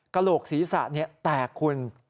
กะโรครเสรีษะแตกคุณ